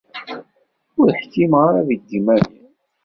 Ur ḥkimeɣ ara deg iman-iw.